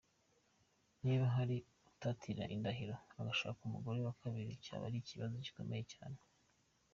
Niba hari utatira indahiro agashaka umugore wa kabiri cyaba ari ikibazo gikomeye cyane.